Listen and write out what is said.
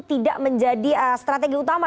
tidak menjadi strategi utama